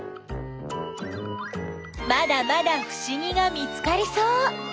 まだまだふしぎが見つかりそう！